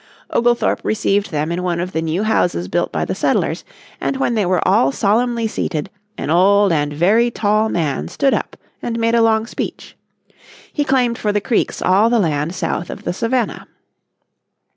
Oglethorpe received them in one of the new houses built by the settlers, and when they were all solemnly seated an old and very tall man stood up and made a long speech. He claimed for the Creeks all the land south of the Savannah.